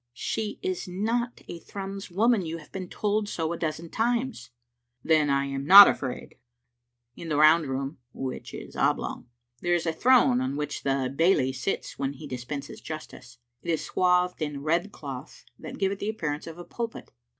" She is not a Thrums woman. You have been told so a dozen times." "Then I am not afraid." In the round room (which is oblong) there is a throne on which the bailie sits when he dispenses justice. It Digitized by VjOOQ IC is swathed in red cloths that give it the appearance of a pulpit.